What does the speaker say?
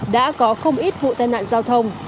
đã có không ít vụ tai nạn giao thông